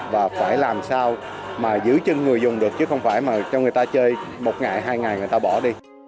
và phải làm sao mà giữ chân người dùng được chứ không phải mà cho người ta chơi một ngày hai ngày người ta bỏ đi